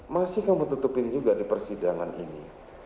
masih kamu tutupin juga di persidangan ini